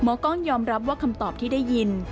กล้องยอมรับว่าคำตอบที่ได้ยิน